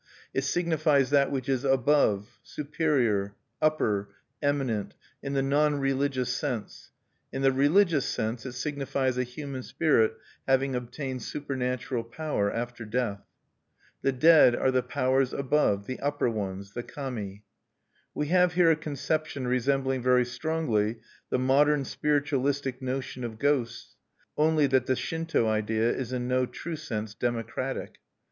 It signifies that which is "above," "superior," "upper," "eminent," in the non religious sense; in the religious sense it signifies a human spirit having obtained supernatural power after death. The dead are the "powers above," the "upper ones," the Kami. We have here a conception resembling very strongly the modern Spiritualistic notion of ghosts, only that the Shinto idea is in no true sense democratic.